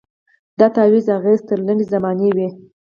د تعویذ اغېز تر لنډي زمانې وي